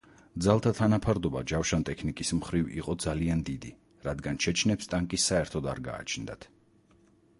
ძალთა თანაფარდობა ჯავშანტექნიკის მხირვ იყო ძალიან დიდი რადგან ჩეჩნებს ტანკი საერთოდ არ გააჩნდათ.